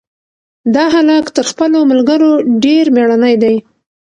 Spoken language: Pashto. دا هلک تر خپلو ملګرو ډېر مېړنی دی.